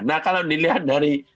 nah kalau dilihat dari